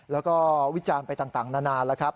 แล้วก็วิจารณ์ไปต่างนานแล้วครับ